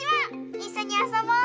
いっしょにあそぼう！